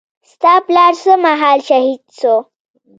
ستا پلار څه مهال شهيد سو.